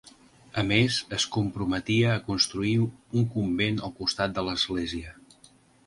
A més es comprometia a construir un convent al costat de l'església.